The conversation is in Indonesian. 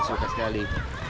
yang saya suka sekali